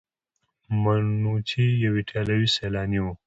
منوچي یو ایټالیایی سیلانی و.